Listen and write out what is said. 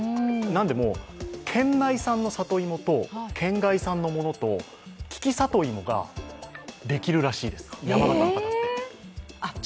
なんでも、県内産の里芋と県外産のものと、利き里芋ができるらしいです。